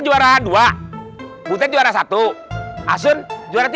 juara dua butir juara satu